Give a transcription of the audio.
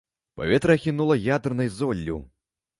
Паветра ахінула ядранай золлю.